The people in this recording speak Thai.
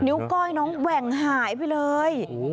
ก้อยน้องแหว่งหายไปเลย